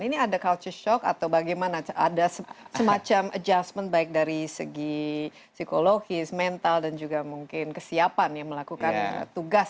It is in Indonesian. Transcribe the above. ini ada culture shock atau bagaimana ada semacam adjustment baik dari segi psikologis mental dan juga mungkin kesiapan yang melakukan tugas